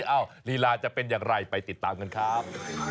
ลีลาจะเป็นอย่างไรไปติดตามกันครับ